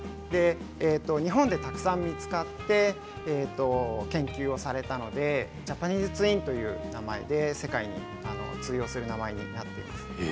日本でたくさん見つかって研究をされたのでジャパニーズツインという名前で世界に通用する名前になっています。